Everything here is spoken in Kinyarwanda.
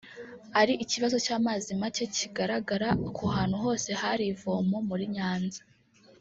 ari ikibazo cy’amazi macye kigaragara ku hantu hose hari ivomo muri Nyanza